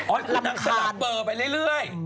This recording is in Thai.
ก็คือนางสลับเบอร์ไปเรื่อย